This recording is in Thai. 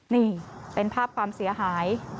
นี่เป็นภาพความเสียหาย